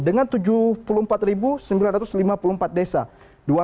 dengan tujuh puluh empat sembilan ratus lima puluh empat desa